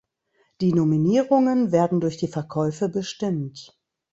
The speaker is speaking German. Die Nominierungen werden durch die Verkäufe bestimmt.